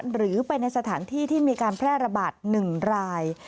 หรือไปในสถานที่ที่มีการแพร่ระบาด๑ราย